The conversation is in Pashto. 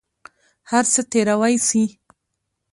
هر څه تېروى سي.